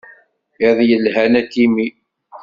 Iḍ yelhan a Timmy.